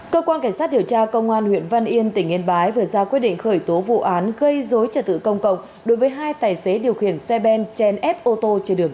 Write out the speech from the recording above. cơ quan cảnh sát điều tra công an huyện văn yên tỉnh yên bái vừa ra quyết định khởi tố vụ án gây dối trật tự công cộng đối với hai tài xế điều khiển xe ben trên ép ô tô trên đường